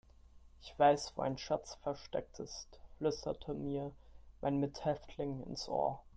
Ich weiß, wo ein Schatz versteckt ist, flüsterte mir mein Mithäftling ins Ohr.